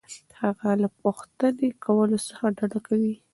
هغه له پوښتنې کولو څخه ډډه کوي.